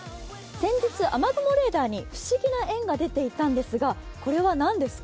先日、雨雲レーダーに不思議な円が出ていたんですがこれは何ですか？